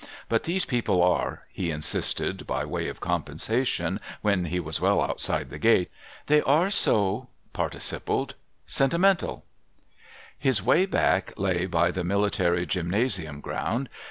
' But these people are,' he insisted, by way of compensation, when he was well outside the gate, ' they are so '•— Participled —' sentimental I ' His way back lay l)y the military gymnasium ground.